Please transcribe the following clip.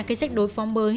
cái sách đối phóng mới